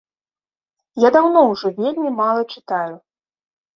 Я даўно ўжо вельмі мала чытаю.